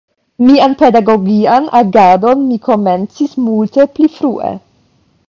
Mian pedagogian agadon mi komencis multe pli frue.